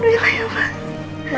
alhamdulillah ya allah